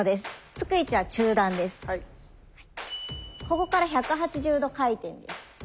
ここから１８０度回転です。